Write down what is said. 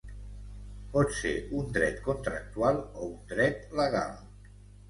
Pot ser un dret contractual o un dret legal.